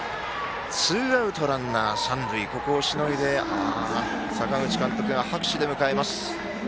ツーアウトランナー、三塁ここをしのいで阪口監督が拍手で迎えます。